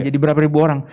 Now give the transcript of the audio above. jadi berapa ribu orang